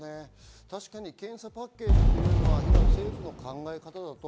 検査パッケージというのは政府の考え方だと。